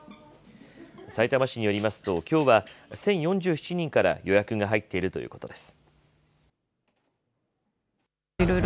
さいたま市によりますと、きょうは１０４７人から予約が入っているということです。